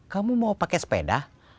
kamu mau pake sepeda